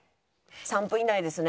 ３分以内ですね？